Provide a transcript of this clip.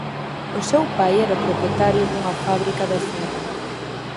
O seu pai era o propietario dunha fábrica de ferro.